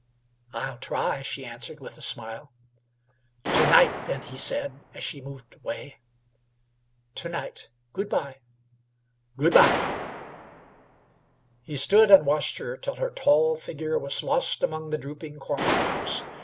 "I'll try," she answered, with a smile. "To night, then," he said, as she moved away. "To night. Good by." "Good by." He stood and watched her till her tall figure was lost among the drooping corn leaves.